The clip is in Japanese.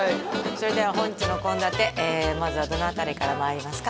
それでは本日の献立まずはどの辺りからまいりますか？